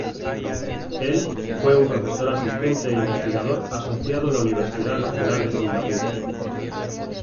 Él fue un profesor asistente e investigador asociado en la Universidad Nacional de Singapur.